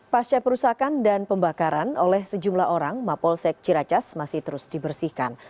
pasca perusahaan dan pembakaran oleh sejumlah orang mapolsek ciracas masih terus dibersihkan